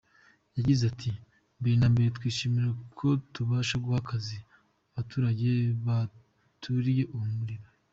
Yagize ati “Mbere na mbere, twishimira ko tubasha guha akazi abaturage batuririye uwo murima.